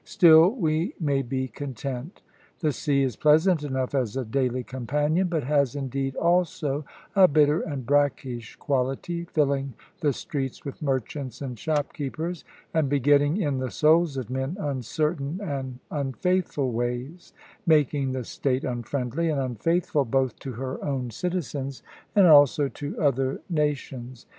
Still we may be content. The sea is pleasant enough as a daily companion, but has indeed also a bitter and brackish quality; filling the streets with merchants and shopkeepers, and begetting in the souls of men uncertain and unfaithful ways making the state unfriendly and unfaithful both to her own citizens, and also to other nations.